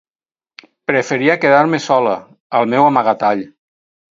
Preferia quedar-me sola, al meu amagatall.